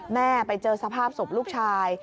แม่ไปเจอสภาพศพลูกชาย